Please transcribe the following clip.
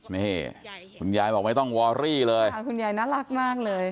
นี่คุณยายบอกไม่ต้องวอรี่เลยค่ะคุณยายน่ารักมากเลย